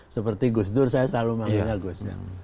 seperti gus dur saya selalu manggilnya gus